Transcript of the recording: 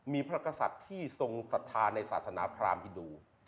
มีพระกษัตริย์ที่ทรงศรัทธาในศาสนาพรามอินดู